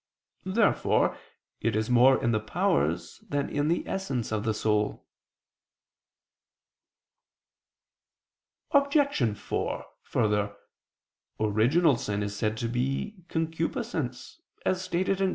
Therefore it is more in the powers than in the essence of the soul. Obj. 4: Further, original sin is said to be concupiscence, as stated (Q.